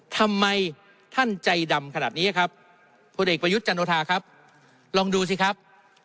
ทำไมท่านใจดำขนาดนี้ครับพลเอกประยุทธ์จันโอทาครับลองดูสิครับ